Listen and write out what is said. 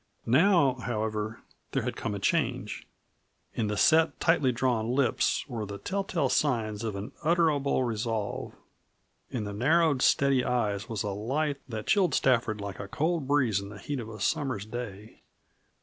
Now, however, there had come a change. In the set, tightly drawn lips were the tell tale signs of an utterable resolve. In the narrowed, steady eyes was a light that chilled Stafford like a cold breeze in the heat of a summer's day.